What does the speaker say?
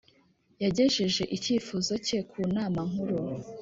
yagejeje icyifuzo cye ku Nama Nkuru